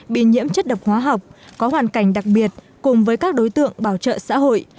bị nhiễm chất độc hóa học có hoàn cảnh đặc biệt cùng với các đối tượng bảo trợ xã hội